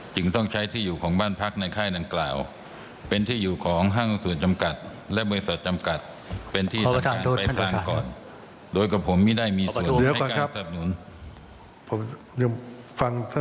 ต้องใช้ที่อยู่ของบ้านพักในค่ายดังกล่าวเป็นที่อยู่ของห้างส่วนจำกัดและบริษัทจำกัดเป็นที่จัดการไปกลางก่อน